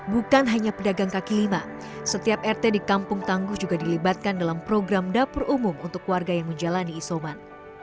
bukan hanya pedagang kaki lima setiap rt di kampung tangguh juga dilibatkan dalam program dapur umum untuk warga yang menjalani isoman